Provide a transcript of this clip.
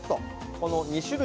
この２種類。